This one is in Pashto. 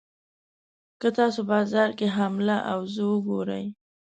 که تاسو بازار کې حامله اوزه وګورئ.